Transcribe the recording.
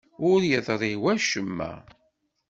Ur yeḍṛi wacemma.